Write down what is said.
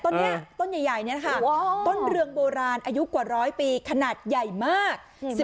ต้นเนี่ยต้นใหญ่ต้นเรืองโบราณอายุกว่าร้อยปีขนาดใหญ่มาก